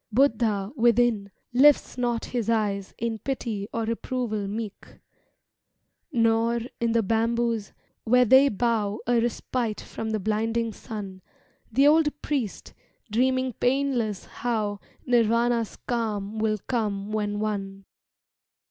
Buddha within lifts not his eyes In pity or reproval meek; Nor, in the bamboos, where they bow A respite from the blinding sun, The old priest dreaming painless how Nirvana's calm will come when won.